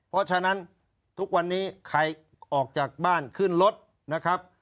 เพราะฉะนั้นทุกวันนี้ใครออกจากบ้านขึ้นรถนะครับ